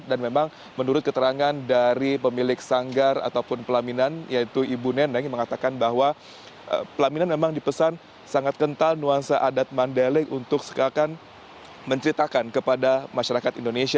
dan memang menurut keterangan dari pemilik sanggar ataupun pelaminan yaitu ibu neneng mengatakan bahwa pelaminan memang dipesan sangat kental nuansa adat mandailing untuk sekalian menceritakan kepada masyarakat indonesia